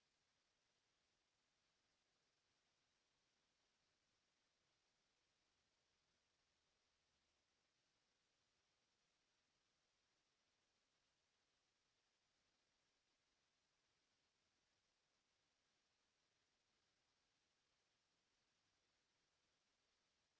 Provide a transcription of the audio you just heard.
โปรดติดตามต่อไป